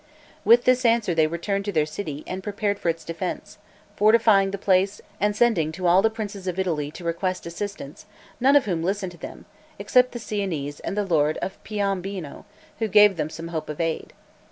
With this answer they returned to their city, and prepared for its defense; fortifying the place, and sending to all the princes of Italy to request assistance, none of whom listened to them, except the Siennese and the lord of Piombino, who gave them some hope of aid.